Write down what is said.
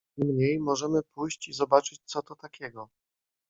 "Niemniej, możemy pójść i zobaczyć co to takiego."